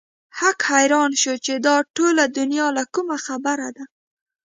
هک حيران شو چې دا ټوله دنيا له کومه خبره ده.